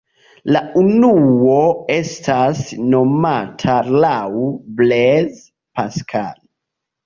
La unuo estas nomata laŭ Blaise Pascal.